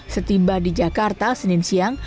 setiba di jakarta senin siang